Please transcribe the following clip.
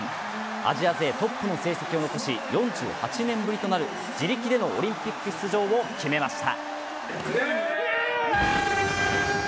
アジア勢トップの成績を残し４８年ぶりとなる自力でのオリンピック出場を決めました。